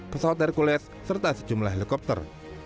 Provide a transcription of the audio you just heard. pesawat hercules serta sejumlah helikopter